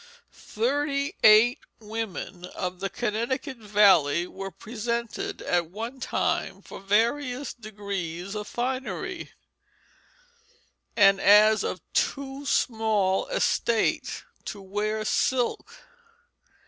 Thirty eight women of the Connecticut valley were presented at one time for various degrees of finery, and as of too small estate to wear silk.